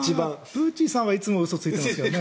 プーチンさんはいつも嘘をついていますよね。